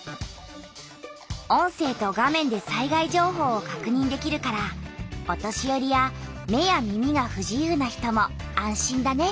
音声と画面で災害情報をかくにんできるからお年よりや目や耳がふ自由な人も安心だね。